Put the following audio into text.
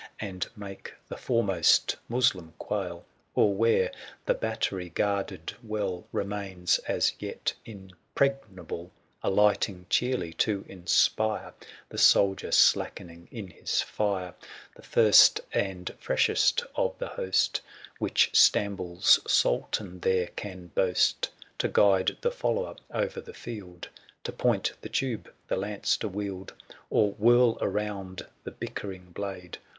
r ' And make the foremost Moslem quail ; Or where the battery guarded well, myniV arfl' 60 Remains as yet impregnable, »t %^r>K *jffl' Alighting cheerly to inspire 4i haA The soldier slackening in his fire ; The first and freshest of the host Which Stamboul's sultan there can boast, 65 To guide the follower o'er the field, To point the tube, the lance to wield, ih'uV^i Or whirl around the bickering blade; —